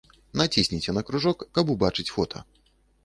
Націсніце на кружок, каб убачыць фота.